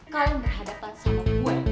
kalau berhadapan sama gue